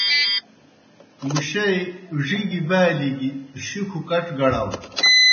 مُشَئی ڙِگیْ بالیْ گیْ شُکھوْ کڇ گڑاؤ۔